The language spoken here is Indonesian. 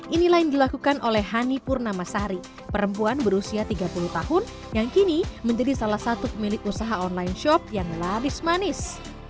inilah yang dilakukan oleh hani purnamasari perempuan berusia tiga puluh tahun yang kini menjadi salah satu pemilik usaha online shop yang laris manis